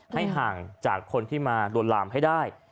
ให้ห่างจากคนที่มาลวนลามให้ได้